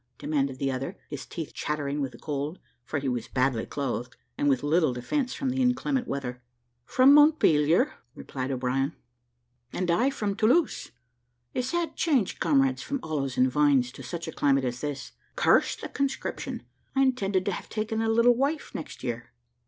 demanded the other, his teeth chattering with the cold, for he was badly clothed, and with little defence from the inclement weather. "From Montpelier," replied O'Brien. "And I from Toulouse. A sad change, comrades from olives and vines to such a climate as this. Curse the conscription: I intended to have taken a little wife next year."